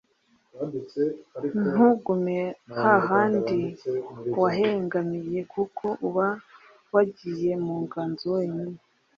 ntugume hahandi wahengamiye, kuko uba wagiye mu nganzo wenyine,